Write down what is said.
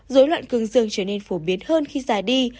dối loạn cương dương trở nên phổ biến hơn khi dài đi